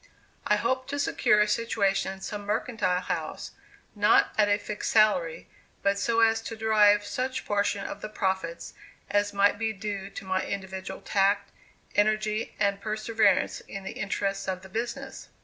I hoped to secure a situation in some mercantile house, not at a fixed salary, but so as to derive such portion of the profits as might be due to my individual tact, energy, and perseverance in the interests of the business.